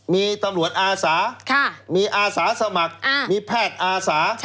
มีตำรวจอาสามีอาสาสมัครมีแพทย์อาสา